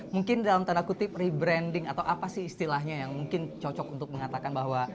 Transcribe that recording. mungkin dalam tanda kutip rebranding atau apa sih istilahnya yang mungkin cocok untuk mengatakan bahwa